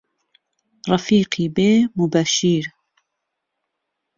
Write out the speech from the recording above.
ڕەفیقی بێ موبەشیر